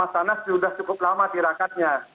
sudah cukup lama tirakatnya